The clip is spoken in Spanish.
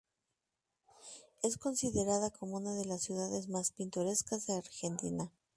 Es considerada cómo una de las ciudades más pintorescas de Argentina.